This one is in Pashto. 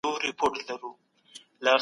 د هر سي پيدا کوونکی الله تعالی دی.